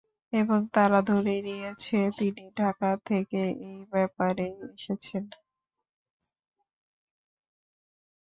এবং তারা ধরেই নিয়েছে তিনি ঢাকা থেকে এই ব্যাপারেই এসেছেন।